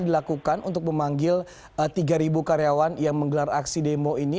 dilakukan untuk memanggil tiga karyawan yang menggelar aksi demo ini